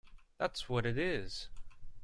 That’s what it is!